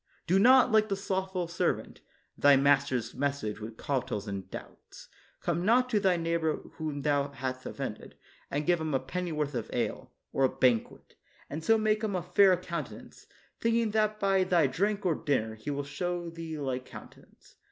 Do not, like the slothful servant, thy master's message with cautels and doubts; come not to thy neighbor whom thou hast offended, and give him a pennyworth of ale, or a banquet, and so 13 THE WORLD'S FAMOUS ORATIONS make him a fair countenance, thinking that by thy drink or dinner he will show thee like counte nance.